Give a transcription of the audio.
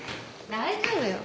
大丈夫よ。